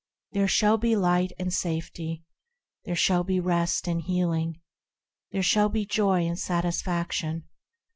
There shall be light and safety, There shall be rest and healing, There shall be joy and satisfaction.